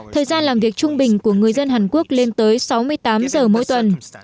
thời gian làm việc trung bình của người dân hàn quốc lên tới sáu mươi tám giờ mỗi tuần